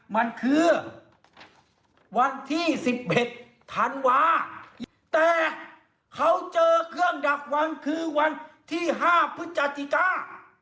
มันคือวันที่สิบเอ็ดธันวาแต่เขาเจอเครื่องดักฟังคือวันที่ห้าพุจจจิต้า